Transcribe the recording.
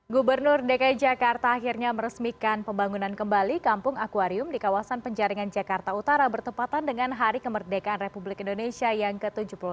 gubernur dki jakarta akhirnya meresmikan pembangunan kembali kampung akwarium di kawasan penjaringan jakarta utara bertepatan dengan hari kemerdekaan republik indonesia yang ke tujuh puluh enam